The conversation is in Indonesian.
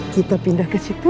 kita pindah ke situ